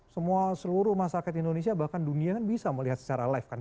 semua seluruh masyarakat indonesia bahkan dunia kan bisa melihat secara live kan